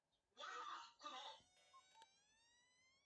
我们相信台湾可能成为一个和平建设的示范区。